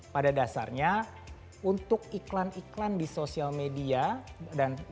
pada dasarnya untuk iklan iklan di sosial media